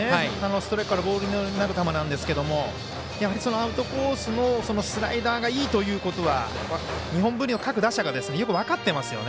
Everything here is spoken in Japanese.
ストライクからボールになる球なんですけどやはり、アウトコースのスライダーがいいということは日本文理の各打者がよく分かってますよね。